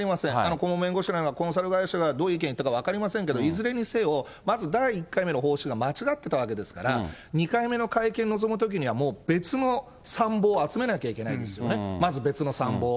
顧問弁護士やコンサル会社がどういう意見言ったか分かりませんけど、いずれにせよ、まず第１回目の方針が間違ってたわけですから、２回目の会見臨むときには、もう別の参謀を集めなきゃいけないですよね、まず別の参謀を。